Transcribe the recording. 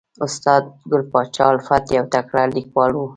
استاد ګل پاچا الفت یو تکړه لیکوال و